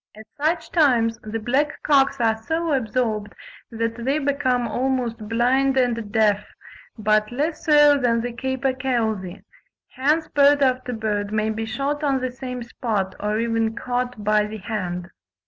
At such times the black cocks are so absorbed that they become almost blind and deaf, but less so than the capercailzie: hence bird after bird may be shot on the same spot, or even caught by the hand.